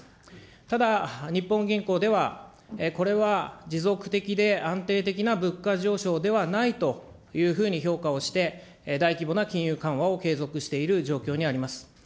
ただ、日本銀行ではこれは持続的で安定的な物価上昇ではないというふうに評価をして、大規模な金融緩和を継続している状況にあります。